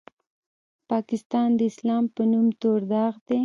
پاکستان د اسلام په نوم تور داغ دی.